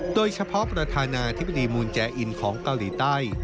ประธานาธิบดีมูลแจอินของเกาหลีใต้